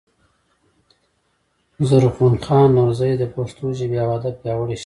زرغون خان نورزى د پښتو ژبـي او ادب پياوړی شاعر دﺉ.